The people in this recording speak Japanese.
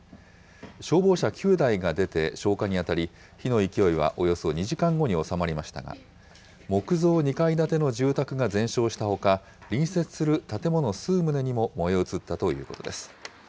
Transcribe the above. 消防車９台が出て消火に当たり、火の勢いはおよそ２時間後に収まりましたが、木造２階建ての住宅が全焼したほか、隣接する建物数棟にも燃え移ったということです。